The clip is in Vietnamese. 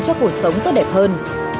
cho cuộc sống tốt đẹp hơn